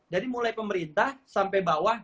dari mulai pemerintah sampai bawah